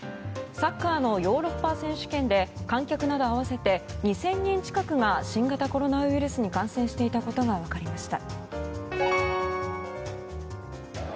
サッカーのヨーロッパ選手権で観客など合わせて２０００人近くが新型コロナウイルスに感染していたことが分かりました。